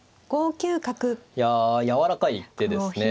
いややわらかい一手ですね。